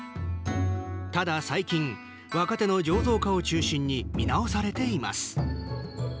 ただ最近、若手の醸造家を中心に見直されています。